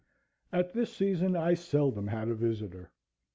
At this season I seldom had a visitor.